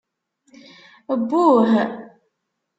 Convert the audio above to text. Buh!